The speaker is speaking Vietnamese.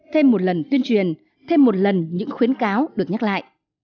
thêm một lần tuyên truyền thêm một lần những khuyến cáo được nhắc lại